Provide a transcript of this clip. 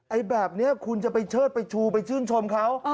แบบนี้คุณจะไปเชิดไปชูไปชื่นชมเขา